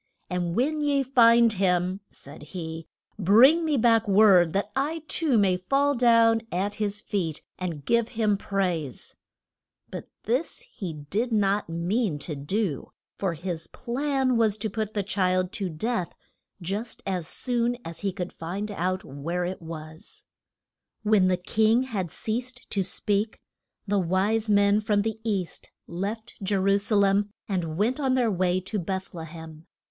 And when ye find him, said he, bring me back word that I too may fall down at his feet and give him praise. But this he did not mean to do, for his plan was to put the child to death just as soon as he could find out where it was. [Illustration: THE SHEP HERDS OF BETH LE HEM.] When the king had ceased to speak, the wise men from the east left Je ru sa lem, and went on their way to Beth le hem.